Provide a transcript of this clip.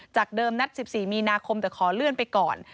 จากเดิมณ๑๔มนแต่ขอเลื่อนไปก่อน